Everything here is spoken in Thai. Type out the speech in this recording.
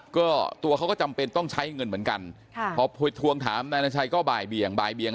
ก็ตัวเขาก็จำเป็นต้องใช้เงินเหมือนกันค่ะพอทวงถามนายนาชัยก็บ่ายเบียงบ่ายเบียง